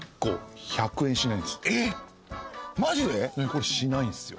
これしないんすよ。